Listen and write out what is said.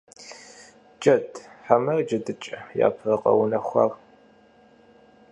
Джэд хьэмэрэ джэдыкӀэ япэ къэунэхуар?